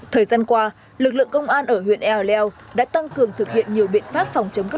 thời gian qua lực lượng công an ở huyện ea leo đã tăng cường thực hiện nhiều biện pháp phòng chống các